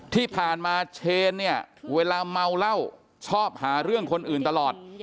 ที่ผ่านมาเชนเนี่ยเวลาเมาเหล้าชอบหาเรื่องคนอื่นตลอด